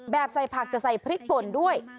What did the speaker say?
ใส่ผักจะใส่พริกป่นด้วย